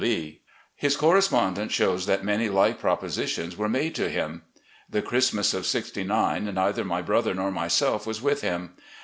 Lee." His correspondence shows that many like propositions were made to him. The Christmas of '69, neither my brother nor myself was with him.